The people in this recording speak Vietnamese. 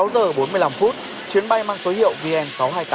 sáu giờ bốn mươi năm phút chuyến bay mang số hiệu vn sáu trăm hai mươi tám